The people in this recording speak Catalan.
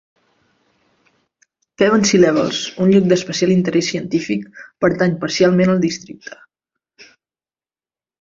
Pevensey Levels, un lloc d'especial interès científic, pertany parcialment al districte.